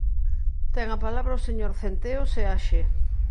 Ten a palabra o señor Centeo Seaxe.